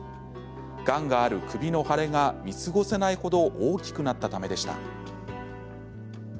がんがある首の腫れが見過ごせないほど大きくなったためでした。